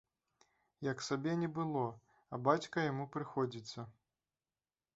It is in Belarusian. Як сабе не было, а бацька яму прыходзіцца.